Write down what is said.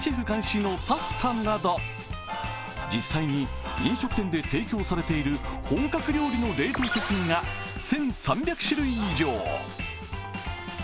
監修のパスタなど、実際に飲食店で提供されている本格料理の冷凍食品が１３００種類以上。